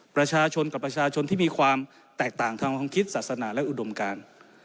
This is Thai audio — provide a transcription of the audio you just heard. ประชาชนกับประชาชนที่มีความแตกต่างทางความคิดศาสนาและอุดมการ